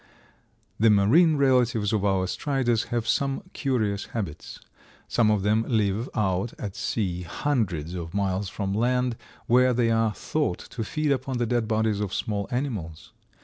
The marine relatives of our Striders have some curious habits. Some of them live out at sea, hundreds of miles from land, where they are thought to feed upon the dead bodies of small animals.